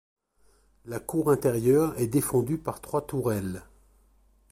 La cour intérieure est défendue par trois tourelles.